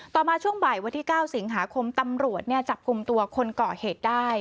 มาช่วงบ่ายวันที่๙สิงหาคมตำรวจจับกลุ่มตัวคนก่อเหตุได้